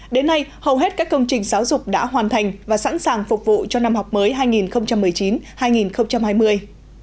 đến nay hầu hết các công trình giáo dục đã hoàn thành và sẵn sàng phục vụ cho năm học mới hai nghìn một mươi chín hai nghìn hai mươi